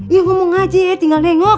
ya ngomong aja ya tinggal nengok